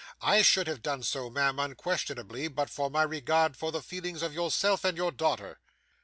I should have done so, ma'am, unquestionably, but for my regard for the feelings of yourself, and your daughter.